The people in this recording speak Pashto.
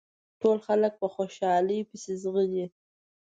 ټول خلک په خوشحالۍ پسې ځغلي.